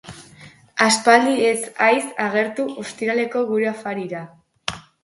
Aspaldi ez haiz agertu ostiraletako gure afarira.